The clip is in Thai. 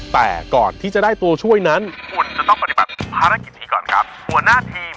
เป็นไง